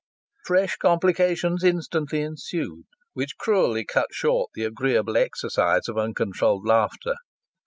Fresh complications instantly ensued, which cruelly cut short the agreeable exercise of uncontrolled laughter.